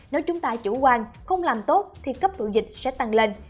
nếu chúng ta chủ quan không làm tốt thì cấp tụ dịch sẽ tăng lên